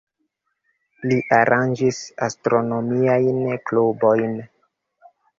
Li aranĝis astronomiajn klubojn.